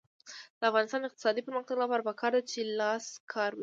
د افغانستان د اقتصادي پرمختګ لپاره پکار ده چې لاسي کار وي.